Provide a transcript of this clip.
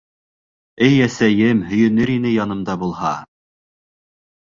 Эй, әсәйем һөйөнөр ине янымда булһа!